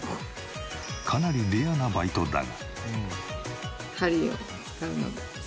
かなりレアなバイトだが。